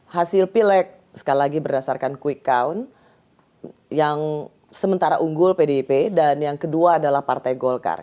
hasil pilek sekali lagi berdasarkan quick count yang sementara unggul pdip dan yang kedua adalah partai golkar